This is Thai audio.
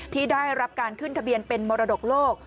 ที่ได้รับการขึ้นทะเบียนเป็นมรดกโลก